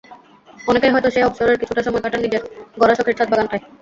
অনেকেই হয়তো সেই অবসরের কিছুটা সময় কাটান নিজের গড়া শখের ছাদবাগানটায়।